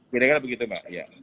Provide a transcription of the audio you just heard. tidak begitu ya